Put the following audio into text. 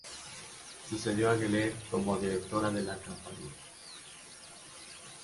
Sucedió a Geller como directora de la compañía.